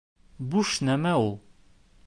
— Буш нәмә ул!